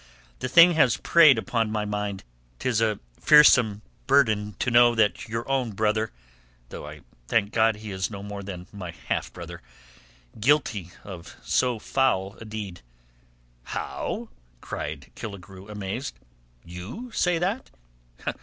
The thing has preyed upon my mind. It is a fearsome burden to know your own brother—though I thank God he is no more than my half brother—guilty of so foul a deed." "How?" cried Killigrew, amazed. "You say that?